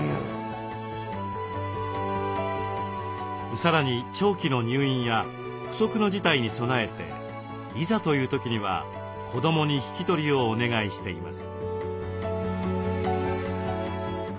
さらに長期の入院や不測の事態に備えていざという時には子どもに引き取りをお願いしています。